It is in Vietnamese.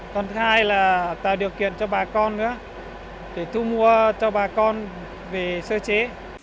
còn thứ hai là tạo điều kiện cho bà con nữa để thu mua cho bà con về sơ chế